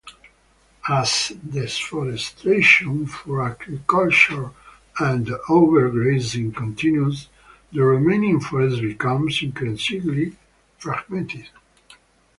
As deforestation for agriculture and overgrazing continues, the remaining forest becomes increasingly fragmented.